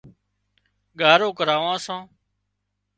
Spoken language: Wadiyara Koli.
ڳارو ڪراوان سان